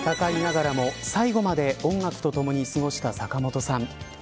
がんと闘いながらも最後まで音楽と共に過ごした坂本さん。